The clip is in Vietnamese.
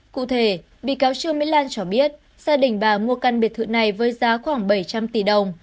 cụ thể bị cáo trương mỹ lan cho biết gia đình bà mua căn biệt thự này với giá khoảng bảy trăm linh tỷ đồng